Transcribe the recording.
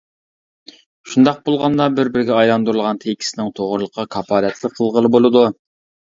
شۇنداق بولغاندىلا بىر-بىرىگە ئايلاندۇرۇلغان تېكىستنىڭ توغرىلىقىغا كاپالەتلىك قىلغىلى بولىدۇ.